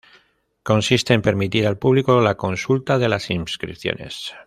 Consiste en permitir al público la consulta de las inscripciones.